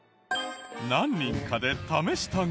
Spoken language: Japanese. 何人かで試したが。